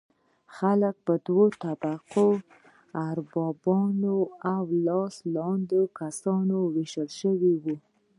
خلک په دوه طبقو اربابان او لاس لاندې کسان ویشل شوي وو.